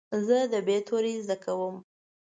زه د "ب" توری زده کوم.